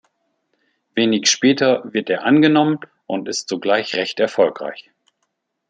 Wenig später wird er angenommen und ist sogleich recht erfolgreich.